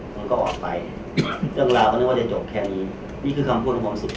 มันก็ออกไปเรื่องราวก็นึกว่าจะจบแค่นี้นี่คือคำพูดของผมสุดแค่นี้ครับ